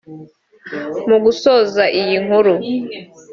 Mu gusoza iyi nkuru